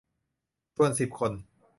ชวนสิบคน